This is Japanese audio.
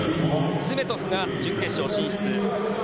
スメトフが準決勝進出。